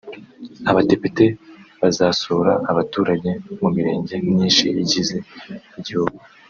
Abadepite bazasura abaturage mu Mirenge myinshi igize igihugu